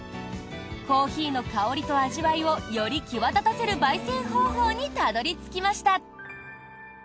コーヒーの香りと味わいをより際立たせる焙煎方法にたどり着きました。